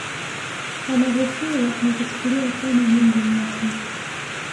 Anahofiwa na kuchukuliwa kama mungu mtu